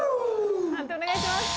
判定お願いします。